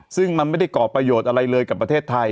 ซึ่งมันไม่ได้ก่อประโยชน์อะไรเลยกับประเทศไทย